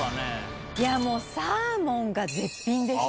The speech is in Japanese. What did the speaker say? もうサーモンが絶品でした。